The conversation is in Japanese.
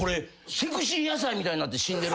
セクシー野菜みたいになって死んでる。